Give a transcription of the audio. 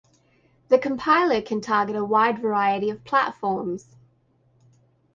The compiler can target a wide variety of platforms.